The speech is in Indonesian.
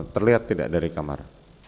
terlihat tidak dari kamar